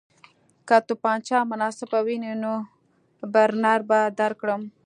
که توپانچه مناسبه نه وي نو برنر به درکړم